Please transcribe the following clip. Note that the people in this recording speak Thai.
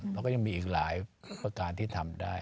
แล้วก็ยังมีอีกหลายประการที่ทำได้